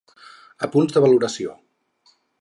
Apunts de valoració.